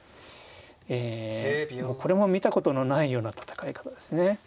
えこれも見たことのないような戦い方ですね。